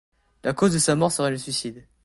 La cause de sa mort serait le suicide.